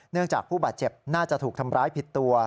จากผู้บาดเจ็บน่าจะถูกทำร้ายผิดตัว